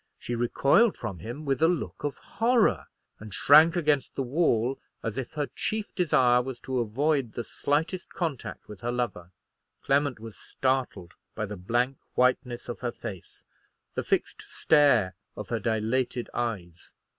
She recoiled from him with a look of horror, and shrank against the wall, as if her chief desire was to avoid the slightest contact with her lover. Clement was startled by the blank whiteness of her face, the fixed stare of her dilated eyes.